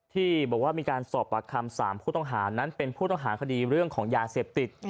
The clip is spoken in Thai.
ที่บอกว่ามีการสอบปากคำ๓ผู้ต้องหานั้นเป็นผู้ต้องหาคดีเรื่องของยาเสพติด